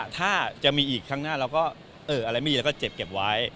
ถ้าจะมีอีกข้างหน้าเราก็เอออะไรไม่ดีเราก็เจ็บเก็บไว้